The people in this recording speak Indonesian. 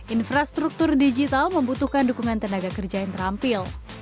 infrastruktur digital membutuhkan dukungan tenaga kerja yang terampil